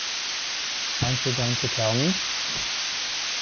Aren't you going to tell me?